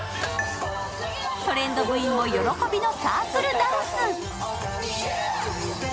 トレンド部員も喜びのサークルダンス。